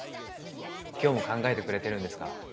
今日も考えてくれてるんですか？